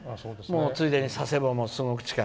ついでに佐世保もすごく近い。